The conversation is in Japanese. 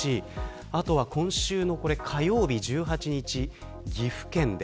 あとは今週の火曜日、１８日岐阜県で。